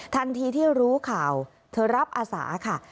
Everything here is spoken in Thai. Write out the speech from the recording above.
ทันทีที่รู้ข่าวเธอรับอาสาค่ะ